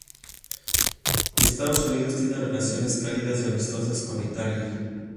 Estados Unidos tiene relaciones cálidas y amistosas con Italia.